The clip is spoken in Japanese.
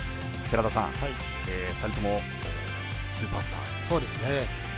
寺田さん、２人ともスーパースターですよね。